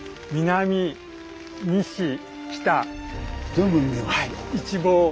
全部見えますか。